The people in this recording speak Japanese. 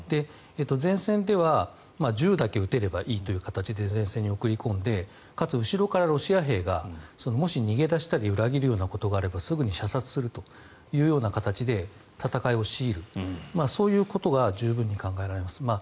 前線では銃だけ撃てればいいという形で前線に送り込んでかつ、後ろからロシア兵がもし逃げ出したり裏切るようなことがあればすぐに射殺するというような形で戦いを強いるそういうことが十分に考えられます。